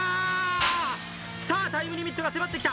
さあタイムリミットが迫ってきた。